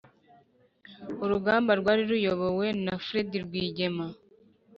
Urugamba rwari ruyobowe na Fred Rwigema